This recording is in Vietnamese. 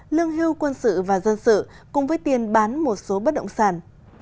lương hưu quân sự và dân sự cùng với tiền bán một số bất động sản